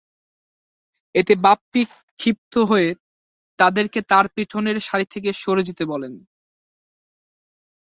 এতে বাপ্পী ক্ষিপ্ত হয়ে তাদেরকে তার পেছনের সারি থেকে সরে যেতে বলেন।